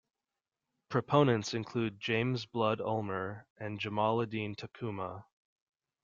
Proponents include James Blood Ulmer and Jamaaladeen Tacuma.